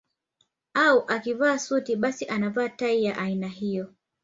Au akivaa suti basi anavaa tai ya aina hiyo